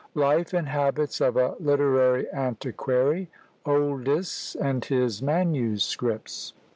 LIFE AND HABITS OF A LITERARY ANTIQUARY. OLDYS AND HIS MANUSCRIPTS.